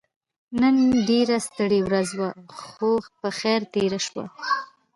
نن ډيره ستړې ورځ وه خو په خير تيره شوه.